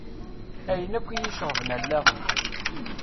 Ayen akk iyi-iceɣben allaɣ-iw.